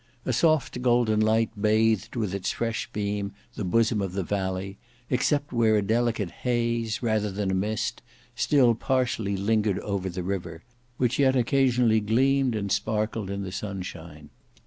A soft golden light bathed with its fresh beam the bosom of the valley, except where a delicate haze, rather than a mist, still partially lingered over the river, which yet occasionally gleamed and sparkled in the sunshine.